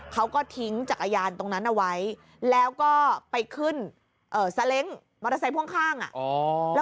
เขาก็ทิ้งจักรยานตรงนั้นเอาไว้แล้วก็ไปขึ้นซาเล้งมอเตอร์ไซค์พ่วงข้าง